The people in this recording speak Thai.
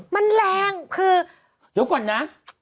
มันแรงคือเดี๋ยวก่อนนะ